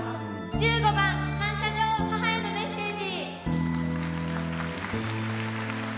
１５番「感謝状母へのメッセージ」。